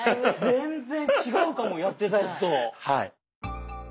全然違うかもやってたやつと。